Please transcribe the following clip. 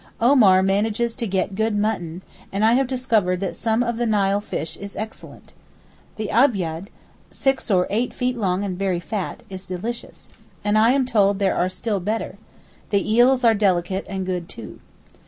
Omar manages to get good mutton, and I have discovered that some of the Nile fish is excellent. The abyad, six or eight feet long and very fat, is delicious, and I am told there are still better; the eels are delicate and good too.